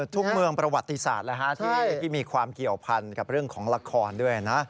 เมืองประวัติศาสตร์ที่มีความเกี่ยวพันกับเรื่องของละครด้วยนะ